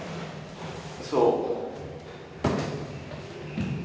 そう。